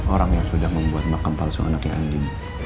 orang yang sudah membuat makam palsu anaknya andin